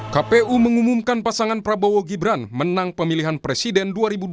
kpu mengumumkan pasangan prabowo gibran menang pemilihan presiden dua ribu dua puluh